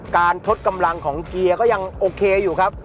ทดกำลังของเกียร์ก็ยังโอเคอยู่ครับ